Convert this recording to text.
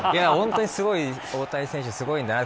本当に大谷選手すごいんだな。